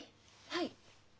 はい？